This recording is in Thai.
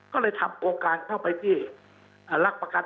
ก็เลยทำโครงการเข้าไปที่รักประกันสุขภาพของของกองทุน